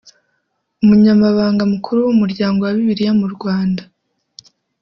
Umunyamabanga Mukuru w’Umuryango wa Bibiliya mu Rwanda